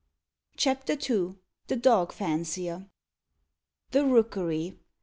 CHAPTER II THE DOG FANCIER The Rookery!